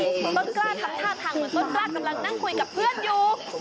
ต้นกล้าทำท่าทางเหมือนต้นกล้ากำลังนั่งคุยกับเพื่อนอยู่